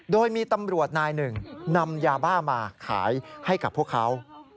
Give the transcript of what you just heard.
โดยมีตำรวจนายหนึ่งนำยาบ้ามาขายให้กับพวกเขา